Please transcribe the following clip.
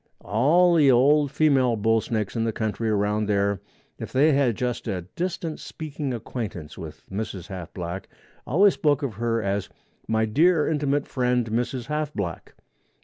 All the old female bull snakes in the country around there, if they had just a distant speaking acquaintance with Mrs. Half Black, always spoke of her as "my dear intimate friend Mrs. Half Black."